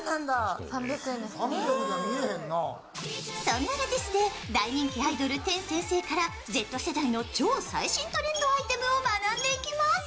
そんなＬａｔｔｉｃｅで大人気アイドル・天先生からＺ世代の超最新トレンドアイテムを学んでいきます。